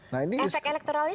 nah efek elektroniknya